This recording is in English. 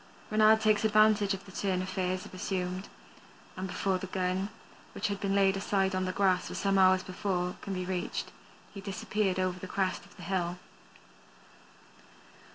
Reynard takes advantage of the turn affairs have assumed, and before the gun, which had been laid aside on the grass some hours before, can be reached he disappears over the crest of the hill.